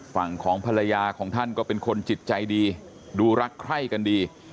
ฝั่งของภรรยาของท่านก็เป็นคนจิตใจดีดูรักใคร่กันดี